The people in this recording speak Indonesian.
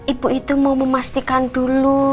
ibu itu mau memastikan dulu